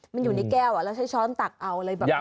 มันอยู่ในแก้วแล้วใช้ช้อนตักเอาอะไรแบบนี้